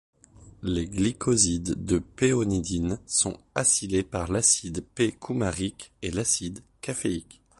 Les glycosides de péonidine sont acylés par l'acide p-coumarique et l'acide caféique.